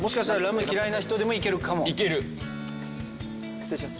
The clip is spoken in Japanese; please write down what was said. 失礼します。